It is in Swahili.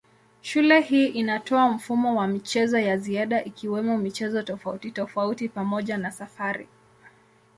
Shule hii inatoa mfumo wa michezo ya ziada ikiwemo michezo tofautitofauti pamoja na safari.